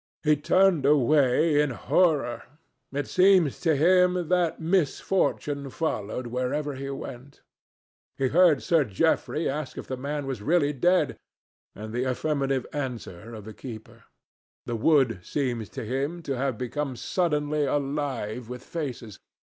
He turned away in horror. It seemed to him that misfortune followed wherever he went. He heard Sir Geoffrey ask if the man was really dead, and the affirmative answer of the keeper. The wood seemed to him to have become suddenly alive with faces.